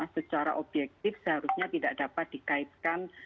secara objektif seharusnya tidak dapat dikaitkan